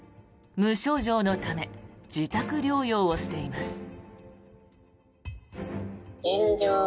無症状のため自宅療養をしています。